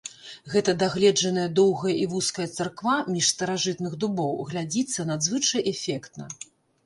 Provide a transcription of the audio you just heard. Гэта дагледжаная доўгая і вузкая царква між старажытных дубоў глядзіцца надзвычай эфектна.